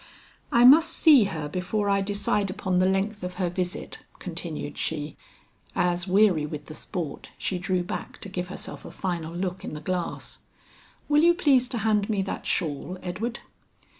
"I must see her before I decide upon the length of her visit," continued she, as weary with the sport she drew back to give herself a final look in the glass. "Will you please to hand me that shawl, Edward."